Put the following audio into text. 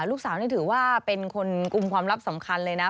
ลูกสาวนี่ถือว่าเป็นคนกลุ่มความลับสำคัญเลยนะ